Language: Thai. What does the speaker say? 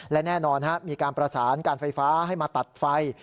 และแน่นอนมีการประสานการไฟฟ้าให้มาตัดไฟ